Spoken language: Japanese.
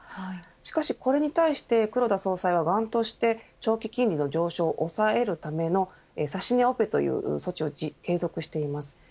しかし、これに対して黒田総裁は頑として長期金利の上昇を抑えるための指し値オペという措置を継続しています。